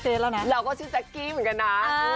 เราก็ชื่อแจ๊กกี้เหมือนกันนะ